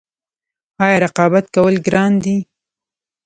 آیا رقابت کول ګران دي؟